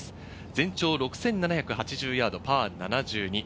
全長６７８０ヤード、パー７２。